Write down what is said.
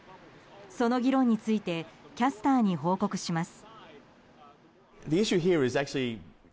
その議論についてキャスターに報告します。